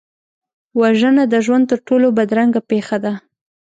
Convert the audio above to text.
وژنه د ژوند تر ټولو بدرنګه پېښه ده